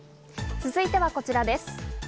続いてはこちらです。